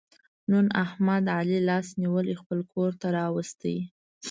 نن احمد علي لاس نیولی خپل کورته را وست.